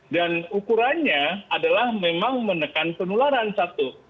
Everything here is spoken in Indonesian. dan ukurannya adalah memang menekan penularan satu